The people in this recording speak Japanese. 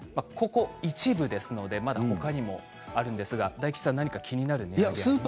ここ一部ですのでまだほかにもあるんですが大吉さん何か気になるものはありますか。